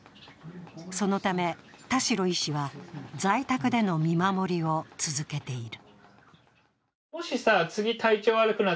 そのため、田代医師は在宅での見守りを続けている。